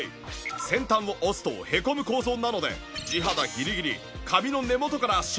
先端を押すとへこむ構造なので地肌ギリギリ髪の根元からしっかりセット可能！